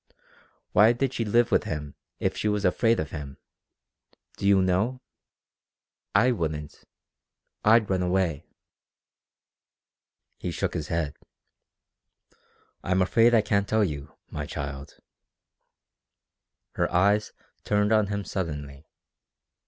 Why did she live with him if she was afraid of him? Do you know? I wouldn't. I'd run away." He shook his head. "I'm afraid I can't tell you, my child." Her eyes turned on him suddenly.